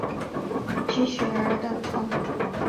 区雪儿的创作。